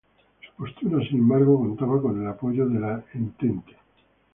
Su postura, sin embargo, contaba con el apoyo de la Entente.